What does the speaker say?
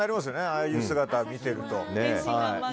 ああいう姿を見てると。